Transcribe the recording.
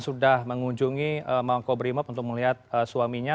sudah mengunjungi mako brimob untuk melihat suaminya